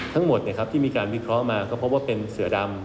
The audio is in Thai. ทั้งหมดที่มีการวิเคราะห์มาก็พบว่าเป็นเสือดำ